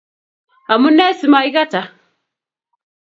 amunee simaikataa